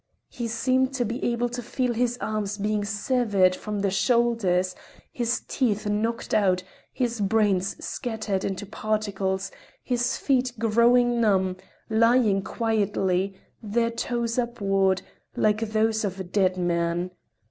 He seemed to be able to feel his arms being severed from the shoulders, his teeth knocked out, his brains scattered into particles, his feet growing numb, lying quietly, their toes upward, like those of a dead man.